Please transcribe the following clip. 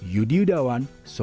yudi udawan udawan sehat